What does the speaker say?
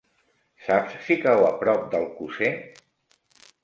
Saps si cau a prop d'Alcosser?